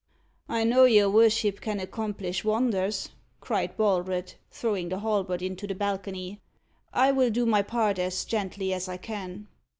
"I know your worship can accomplish wonders," cried Baldred, throwing the halberd into the balcony. "I will do my part as gently as I can."